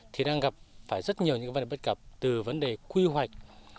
thì đang gặp phải rất nhiều những vấn đề bất cập từ vấn đề quy hoạch